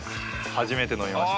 初めて飲みました。